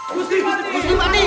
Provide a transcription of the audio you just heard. tapi memang dia berada di daerah